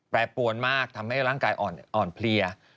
แปรปวนมากทำให้ร่างกายอ่อนเพลีย